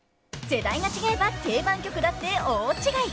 世代が違えば定番曲だって大違い！